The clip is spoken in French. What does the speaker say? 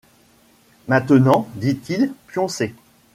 Maintenant, dit-il, pioncez !